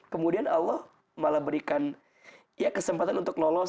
kemudian allah malah berikan ya kesempatan untuk lolos